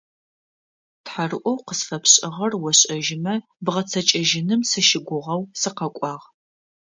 Тхьэрыӏоу къысфэпшӏыгъэр ошӏэжьымэ, бгъэцэкӏэжьыным сыщыгугъэу сыкъэкӏуагъ.